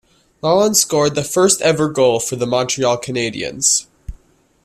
Lalonde scored the first-ever goal for the Montreal Canadiens.